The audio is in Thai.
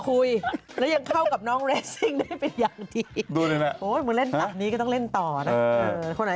ทุกท่านเล่นตัดนี้ก็ต้องเล่นต่อนะ